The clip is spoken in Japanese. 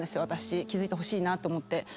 私気付いてほしいなと思って。